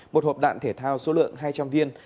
một hộp đạn thể thao số lượng hai trăm linh viên